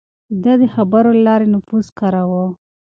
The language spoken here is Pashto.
ده د خبرو له لارې نفوذ کاراوه.